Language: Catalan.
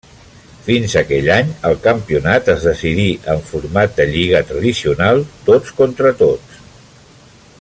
Fins aquell any el campionat es decidí en format de lliga tradicional tots contra tots.